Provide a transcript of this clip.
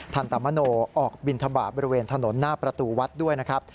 ทันตมโนออกบินทบาทบริเวณถนนหน้าประตูวัดด้วยนะครับ